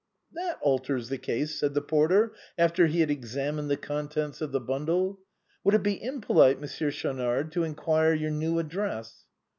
" That alters the case," said the porter, after he had examined the contents of the bundle. " Would it be im polite. Monsieur Schaunard, to inquire your new address